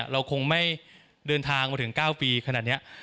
เราคงไม่เดินทางมาถึง๙ปีขนาดนี้